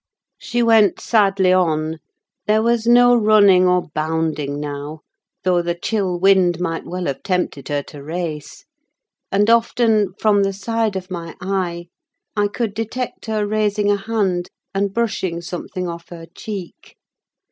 She went sadly on: there was no running or bounding now, though the chill wind might well have tempted her to race. And often, from the side of my eye, I could detect her raising a hand, and brushing something off her cheek.